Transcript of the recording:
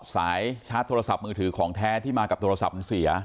สายชาร์จโทรศัพท์มือถือของแท้ที่มากับโทรศัพท์มันเสีย